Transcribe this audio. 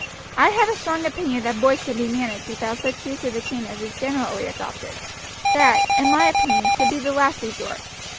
"I have a strong opinion that boys can be managed without such use of the cane as is generally adopted; that, in my opinion, should be the last resort.